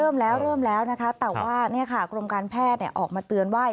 ใช่เริ่มแล้วแต่ว่ากรมการแพทย์ออกมาเตือนว่า